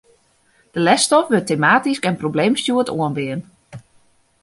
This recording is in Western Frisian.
De lesstof wurdt tematysk en probleemstjoerd oanbean.